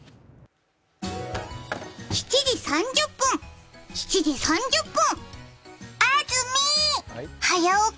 ７時３０分、７時３０分安住早起き